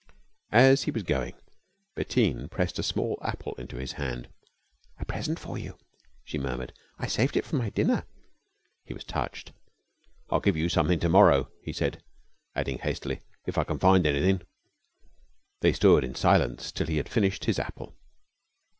As he was going Bettine pressed a small apple into his hand. "A present for you," she murmured. "I saved it from my dinner." He was touched. "I'll give you somethin' to morrow," he said, adding hastily, "if I can find anythin'." They stood in silence till he had finished his apple.